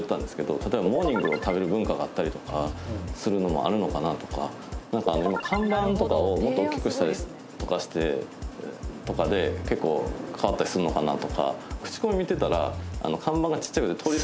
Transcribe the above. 例えばモーニングを食べる文化があったりするのもあるのかなとか看板とかをもっとおっきくしたりとかで結構変わったりするのかなとか。